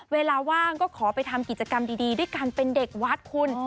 เวลาว่างก็ขอไปทำกิจกรรมดีด้วยการเป็นเด็กวัดคุณ